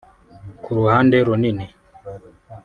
[…] Ku ruhande runini